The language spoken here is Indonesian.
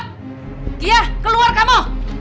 kia keluar kamu